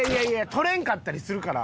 とれんかったりするから。